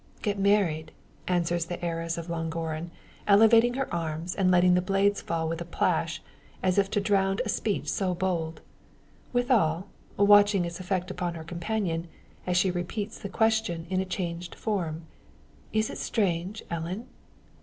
"Get married!" answers the heiress of Llangorren, elevating her arms, and letting the blades fall with a plash, as if to drown a speech so bold; withal, watching its effect upon her companion, as she repeats the question in a changed form. "Is it strange, Ellen?"